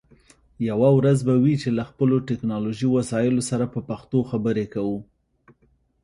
یوه ورځ به وي چې له خپلو ټکنالوژی وسایلو سره په پښتو خبرې کوو